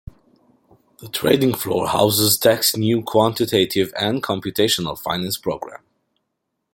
The trading floor houses Tech's new Quantitative and Computational Finance program.